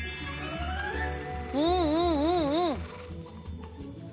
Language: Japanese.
うんうんうんうん！